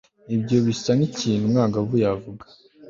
ibyo bisa nkikintu umwangavu yavuga